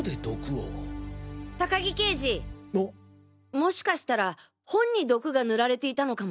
もしかしたら本に毒が塗られていたのかも。